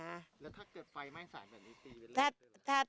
แล้วถ้าเกิดไปไหม้ศาลแบบนี้ปีเท่าไร